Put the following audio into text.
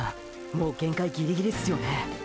もう限界ギリギリっすよね。